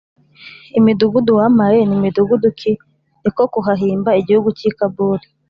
imidugudu wampaye ni midugudu ki?” Ni ko kuhahimba igihugu cy’i Kabuli